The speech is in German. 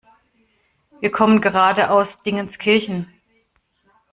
Wir kommen gerade aus Dingenskirchen.